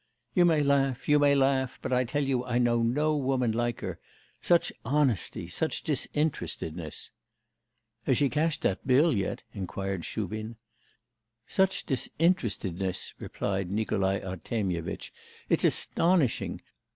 'You may laugh, you may laugh; but I tell you I know no woman like her. Such honesty; such disinterestedness.' 'Has she cashed that bill yet?' inquired Shubin. 'Such disinterestedness,' repeated Nikolai Artemyevitch; 'it's astonishing.